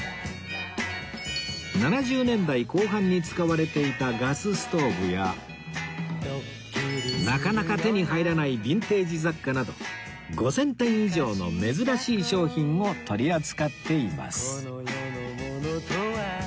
７０年代後半に使われていたガスストーブやなかなか手に入らないヴィンテージ雑貨など５０００点以上の珍しい商品を取り扱っています